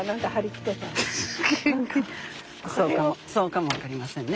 フフそうかも分かりませんね。